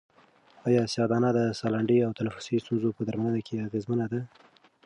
آیا سیاه دانه د سالنډۍ او تنفسي ستونزو په درملنه کې اغېزمنه ده؟